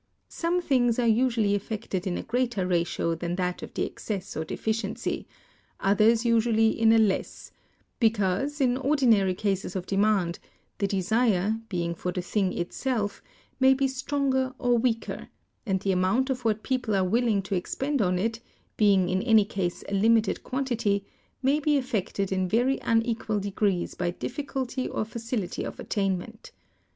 Some things are usually affected in a greater ratio than that of the excess or deficiency, others usually in a less; because, in ordinary cases of demand, the desire, being for the thing itself, may be stronger or weaker; and the amount of what people are willing to expend on it, being in any case a limited quantity, may be affected in very unequal degrees by difficulty or facility of attainment.